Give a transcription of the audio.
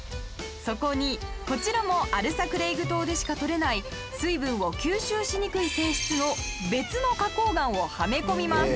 そこにこちらもアルサクレイグ島でしか取れない水分を吸収しにくい性質の別の花崗岩をはめ込みます。